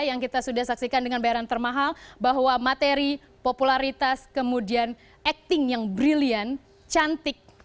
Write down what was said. yang kita sudah saksikan dengan bayaran termahal bahwa materi popularitas kemudian acting yang brilliant cantik